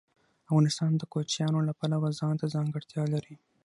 افغانستان د کوچیانو له پلوه ځانته ځانګړتیا لري.